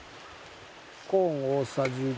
コーン大さじ１。